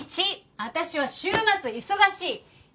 １私は週末忙しい。